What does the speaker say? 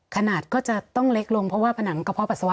ขนาดก็จะต้องเล็กลงเพราะว่าผนังกระเพาะปัสสาวะ